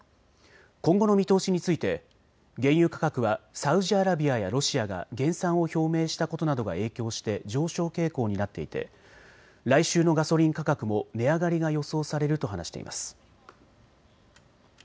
今後の見通しについて原油価格はサウジアラビアやロシアが減産を表明したことなどが影響して上昇傾向になっていて来週のガソリン価格も値上がりが予想されると話しています。